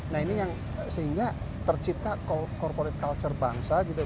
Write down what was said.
nah ini yang sehingga tercipta corporate culture bangsa gitu